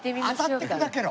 当たって砕けろ！